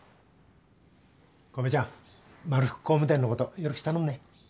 小梅ちゃんまるふく工務店のことよろしく頼むね。